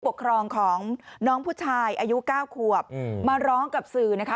ปกครองของน้องผู้ชายอายุ๙ขวบมาร้องกับสื่อนะคะ